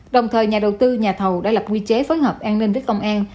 đồng thời nhà đầu tư nhà thầu đã lập quy chế phối hợp an ninh với công an